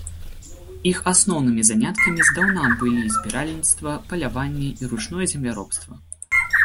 Іх асноўнымі заняткамі здаўна былі збіральніцтва, паляванне і ручное земляробства.